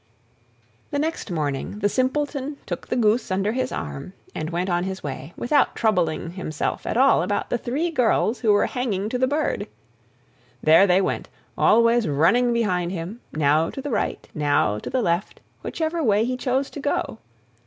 The next morning the Simpleton took the goose under his arm and went on his way, without troubling himself at all about the three girls who were hanging to the bird. There they went, always running behind him, now to the right, now to the left, whichever way he chose to go.